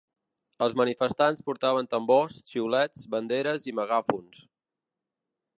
Els manifestants portaven tambors, xiulets, banderes i megàfons.